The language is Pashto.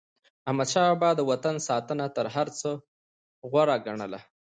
احمدشاه بابا به د وطن ساتنه تر هر څه غوره ګڼله.